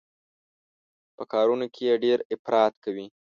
په کارونو کې يې ډېر افراط کوي.